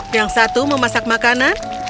yang satu memasak makanan